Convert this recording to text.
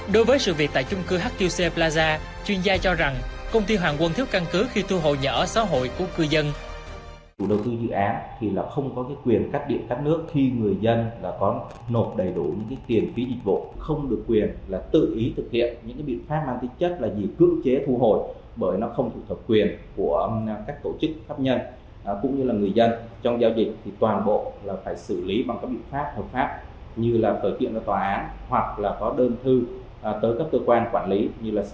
đối với sự việc tại chung cư hqc plaza chuyên gia cho rằng công ty hoàng quân thiếu căn cứ khi thu hồi nhà ở xã hội của cư dân